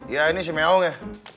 iya ini si meong ya